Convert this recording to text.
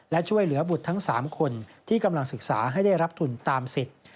และช่วยเหลือบุตรทั้ง๓คนที่กำลังศึกษาให้ได้รับทุนตามสิทธิ์